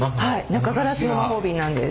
中ガラスの魔法瓶なんです。